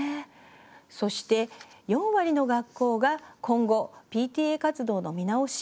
そして、４割の学校が今後ＰＴＡ活動の見直し